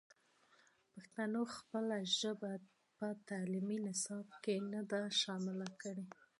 پښتنو خپله ژبه په تعلیمي نصاب کې نه ده شامل کړې.